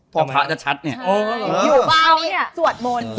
ตำรวจตำรวจ